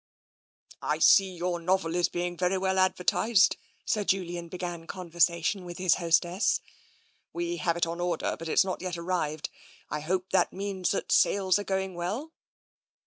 I see that your novel is being very well advertised," Sir Julian began conversation with his hostess. " We have it on order, but it has not yet arrived. I hope that means that the sales are going well."